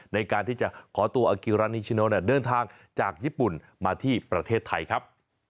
ในการที่จะขอตัวอากิรานิชิโนเดินทางจากญี่ปุ่นมาที่ประเทศไทยครับ